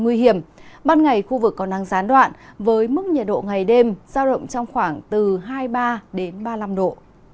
nguy hiểm ban ngày khu vực còn nắng gián đoạn với mức nhiệt độ ngày đêm giao động trong khoảng từ hai mươi ba đến ba mươi năm độ